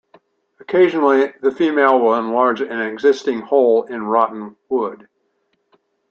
Occasionally the female will enlarge an existing hole in rotten wood.